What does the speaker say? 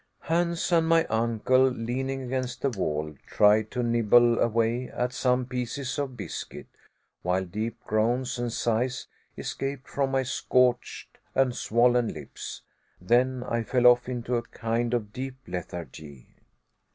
Hans and my uncle, leaning against the wall, tried to nibble away at some pieces of biscuit, while deep groans and sighs escaped from my scorched and swollen lips. Then I fell off into a kind of deep lethargy.